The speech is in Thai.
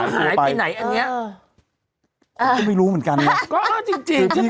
หายไปไหนอันเนี้ย